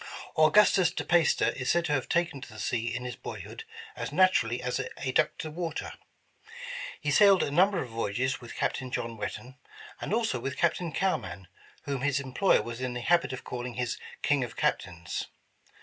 Augustus DePeyster is said to have taken to the sea in his boyhood as naturally *'as a duck to wa ter." He sailed a number of voyages with Captain John Whetten, and also with Captain Cowman, whom his employer was in the habit of calling his ''King of Captains."